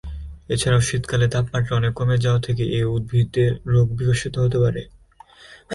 এছাড়াও শীতকালে তাপমাত্রা অনেক কমে যাওয়া থেকে এই উদ্ভিদে রোগ বিকশিত হতে পারে।